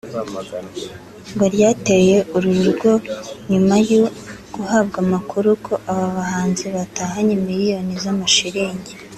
ngo ryateye uru rugo nyuma yo guhabwa amakuru ko aba bahanzi batahanye miliyoni z’amashiringi